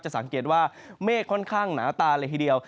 สังเกตว่าเมฆค่อนข้างหนาตาเลยทีเดียว